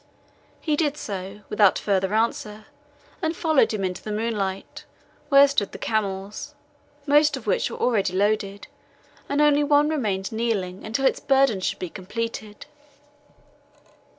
He did so, without further answer, and followed him into the moonlight, where stood the camels, most of which were already loaded, and one only remained kneeling until its burden should be completed.